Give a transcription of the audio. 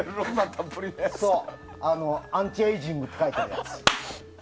アンチエイジングって書いてるやつ。